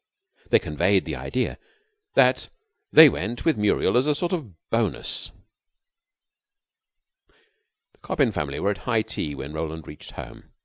They conveyed the idea that they went with Muriel as a sort of bonus. The Coppin family were at high tea when Roland reached home.